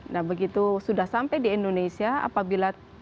nah begitu sudah sampai di indonesia apabila